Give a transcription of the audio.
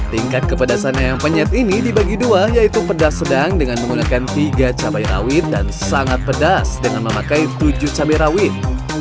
tingkat kepedasannya yang penyet ini dibagi dua yaitu pedas sedang dengan menggunakan tiga cabai rawit dan sangat pedas dengan memakai tujuh cabai rawit